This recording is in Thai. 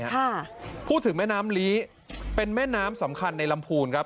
ค่ะพูดถึงแม่น้ำลีเป็นแม่น้ำสำคัญในลำพูนครับ